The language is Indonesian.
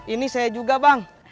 ini saya juga bang